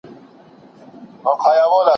اقتصاد د هیواد لپاره ډېر مهم دی.